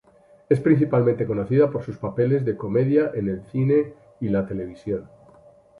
Es principalmente conocida por sus papeles de comedia en el cine y la televisión.